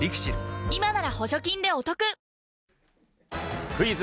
今なら補助金でお得クイズ！